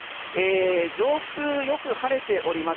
上空よく晴れております。